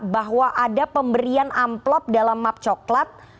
bahwa ada pemberian amplop dalam map coklat